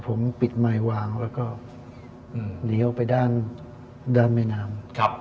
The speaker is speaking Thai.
ผมปิดไมค์วางแล้วก็เลี้ยวไปด้านแม่น้ำ